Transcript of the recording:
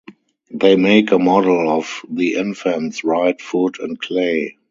They make a model of the infant's right foot in clay.